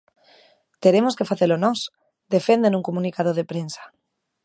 Teremos que facelo nós, defende nun comunicado de prensa.